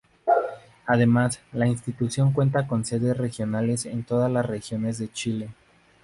Además, la institución cuenta con sedes regionales en todas las regiones de Chile.